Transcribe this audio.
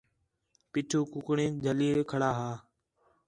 پیٹھو کُکڑیں جَھلّی کڑھا ہا